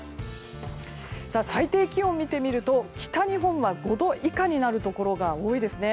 最低気温を見てみると北日本は５度以下になるところが多いですね。